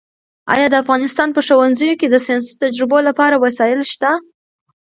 ایا د افغانستان په ښوونځیو کې د ساینسي تجربو لپاره وسایل شته؟